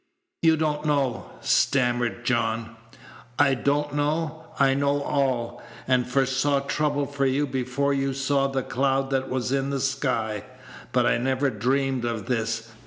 "You don't know " stammered John. "I don't know! I know all, and foresaw trouble for you before you saw the cloud that was in the sky. But I never dreamed of this.